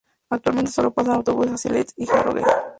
Actualmente solo pasan autobuses hacia Leeds y Harrogate.